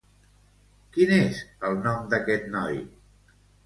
Quin és el nom d'aquest noi?